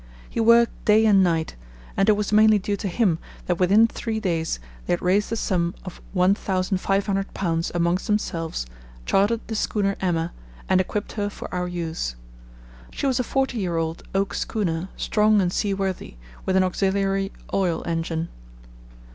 He worked day and night, and it was mainly due to him that within three days they had raised a sum of £1500 amongst themselves, chartered the schooner Emma and equipped her for our use. She was a forty year old oak schooner, strong and seaworthy, with an auxiliary oil engine.